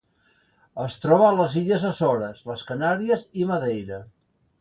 Es troba a les Illes Açores, les Canàries i Madeira.